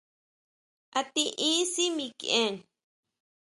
¿A tiʼin sʼí mikʼien?